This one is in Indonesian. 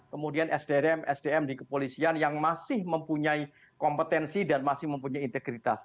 kemudian sdm sdm di kepolisian yang masih mempunyai kompetensi dan masih mempunyai integritas